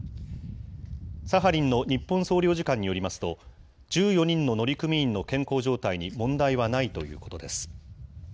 サハリンの日本総領事館によりますと、１４人の乗組員の健康状態に問題はないということです。